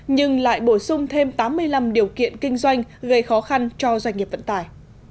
nhưng lại bổ sung thêm tám mươi năm điều kiện kinh doanh gây khó khăn cho doanh nghiệp vận tải